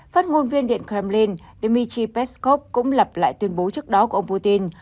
phát ngôn viên điện kremlin dmitry peskov cũng lập lại tuyên bố trước đó của ông putin